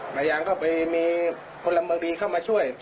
ป่ายางเข้าไปมีคนลำบังดีเข้ามาช่วย